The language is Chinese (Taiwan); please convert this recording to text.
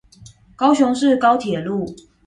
高雄市高鐵路